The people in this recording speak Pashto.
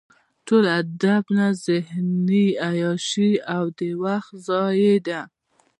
ټول ادب نه ذهني عیاشي او د وخت ضایع ده.